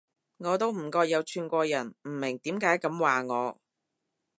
我都唔覺有串過人，唔明點解噉話我